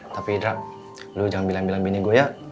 tapi hidra lu jangan bilang bilang bini gue ya